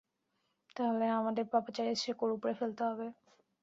তাহলে আমাদের পাপাচারের শেকড় উপড়ে ফেলতে হবে।